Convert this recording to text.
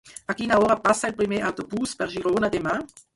A quina hora passa el primer autobús per Girona demà?